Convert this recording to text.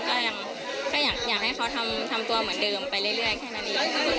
ก็อยากให้เขาทำตัวเหมือนเดิมไปเรื่อยแค่นั้นเอง